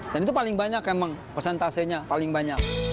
dan itu paling banyak emang persentasenya paling banyak